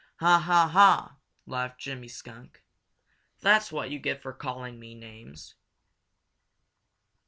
"Ha! ha! ha!" laughed Jimmy Skunk. "That's what you get for calling me names."